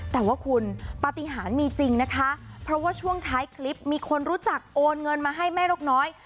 แต่ว่าคุณปฏิหารมีจริงนะคะเพราะว่าช่วงท้ายคลิปมีคนรู้จักโอนเงินมาให้แม่นกน้อย